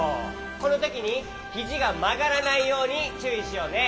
このときにひじがまがらないようにちゅういしようね。